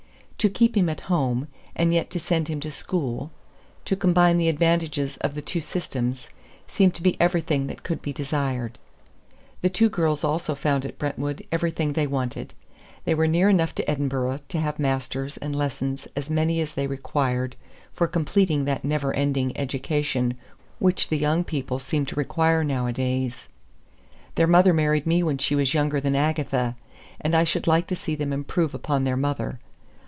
To keep him at home, and yet to send him to school, to combine the advantages of the two systems, seemed to be everything that could be desired. The two girls also found at Brentwood everything they wanted. They were near enough to Edinburgh to have masters and lessons as many as they required for completing that never ending education which the young people seem to require nowadays. Their mother married me when she was younger than Agatha; and I should like to see them improve upon their mother!